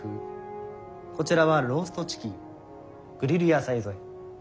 こちらはローストチキングリル野菜添え。